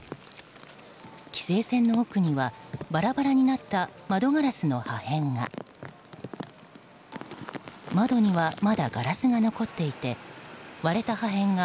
規制線の奥にはバラバラになった窓ガラスの破片が。